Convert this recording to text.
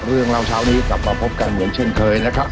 เรื่องเล่าเช้านี้กลับมาพบกันเหมือนเช่นเคยนะครับ